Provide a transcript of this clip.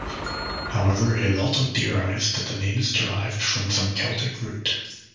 However, it is also theorized that the name is derived from some Celtic root.